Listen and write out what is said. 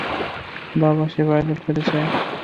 বাবা, সে পাইলট হতে চায়।